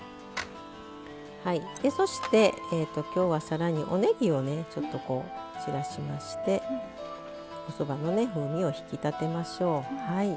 そして今日は更におねぎをねちょっと散らしましておそばの風味を引き立てましょう。